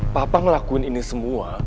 papa ngelakuin ini semua